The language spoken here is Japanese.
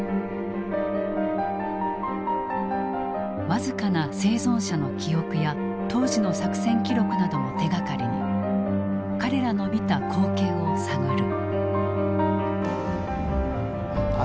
僅かな生存者の記憶や当時の作戦記録などを手がかりに彼らの見た光景を探る。